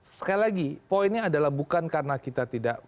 sekali lagi poinnya adalah bukan karena kita tidak